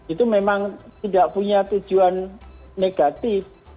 itu memang tidak punya tujuan negatif